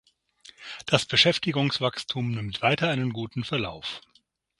Das Beschäftigungswachstum nimmt weiter einen guten Verlauf.